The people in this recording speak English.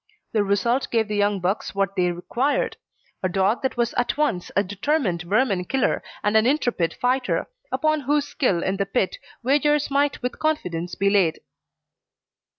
The result gave the young bucks what they required: a dog that was at once a determined vermin killer and an intrepid fighter, upon whose skill in the pit wagers might with confidence be laid.